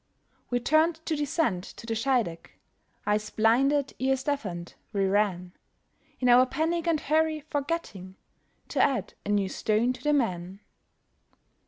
We turned to descend to the Scheideck, Eyes blinded, ears deafened, we ran, In our panic and hurry, forgetting To add a new stone to the man.